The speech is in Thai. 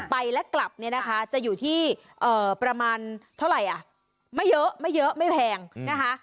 ไปและกลับเนี่ยนะคะจะอยู่ที่ประมาณเท่าไหร่อ่ะไม่เยอะไม่เยอะไม่แพงนะคะ